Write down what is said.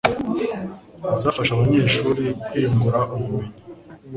izafasha abanyeshuri kwiyungura ubumenyi